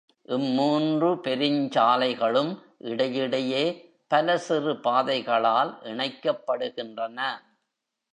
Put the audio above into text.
இம்மூன்று பெருஞ்சாலைகளும், இடையிடையே பல சிறு பாதைகளால் இணைக்கப்படுகின்றன.